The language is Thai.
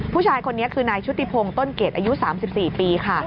ผู้ชายคนนี้คือนายชุติพงศ์ต้นเกรดอายุ๓๔ปีค่ะ